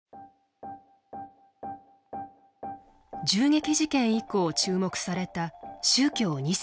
銃撃事件以降注目された宗教２世の存在。